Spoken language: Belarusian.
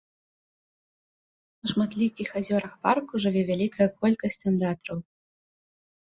На шматлікіх азёрах парку жыве вялікая колькасць андатраў.